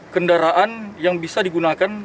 kendaraan yang bisa digunakan